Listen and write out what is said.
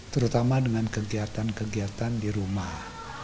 terutama dengan kegiatan kegiatan di rumah